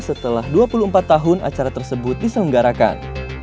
setelah dua puluh empat tahun acara tersebut diselenggarakan